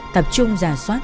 tập trung giả soát